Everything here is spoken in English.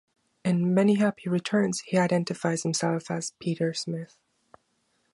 In "Many Happy Returns" he identifies himself as 'Peter Smith'.